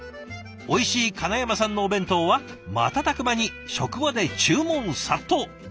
おいしい金山さんのお弁当は瞬く間に職場で注文殺到。